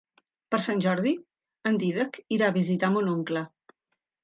Per Sant Jordi en Dídac irà a visitar mon oncle.